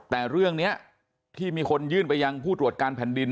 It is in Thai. แต่เรื่องนี้ที่มีคนยื่นไปยังผู้ตรวจการแผ่นดิน